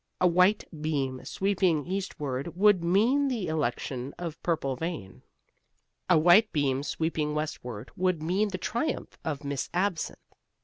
A white beam sweeping eastward would mean the election of Purplevein. A white beam sweeping westward would mean the triumph of Miss Absinthe.